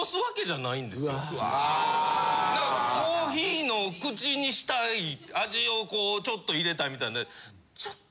・うわ・・あ・コーヒーの口にしたい味をこうちょっと入れたいみたいで。